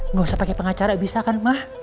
nggak usah pakai pengacara bisa kan mah